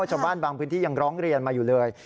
ชาวบ้านบางพื้นที่ยังร้องเรียนมาอยู่เลย